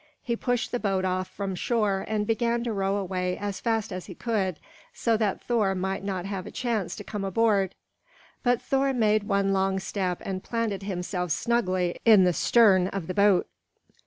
He pushed the boat off from shore and began to row away as fast as he could, so that Thor might not have a chance to come aboard. But Thor made one long step and planted himself snugly in the stern of the boat.